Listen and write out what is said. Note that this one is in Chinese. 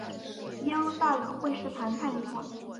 耶路撒冷会是谈判的一环。